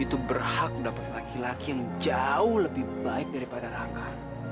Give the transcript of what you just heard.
itu berhak mendapat laki laki yang jauh lebih baik daripada raka